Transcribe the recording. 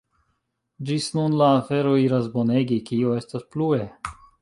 Ĝis nun la afero iras bonege, kio estos plue?